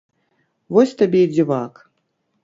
Вось табе і дзівак!